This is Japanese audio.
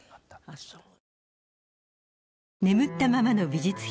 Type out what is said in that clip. ああそう。